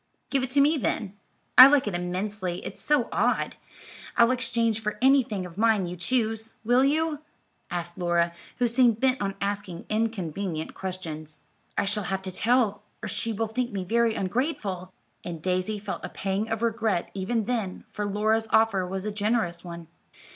"Give it to me, then. I like it immensely; it's so odd. I'll exchange for anything of mine you choose. Will you?" asked Laura, who seemed bent on asking inconvenient questions. "I shall have to tell, or she will think me very ungrateful," and Daisy felt a pang of regret even then, for Laura's offer was a generous one.